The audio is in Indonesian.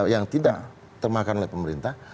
yang tidak termakan oleh pemerintah